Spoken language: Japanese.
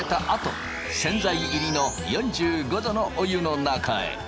あと洗剤入りの４５℃のお湯の中へ。